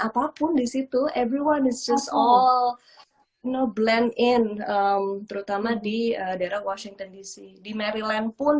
apapun di situ everyone is just all no blend in terutama di daerah washington dc di maryland pun